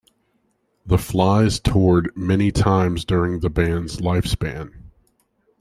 The Flys toured many times during the band's lifespan.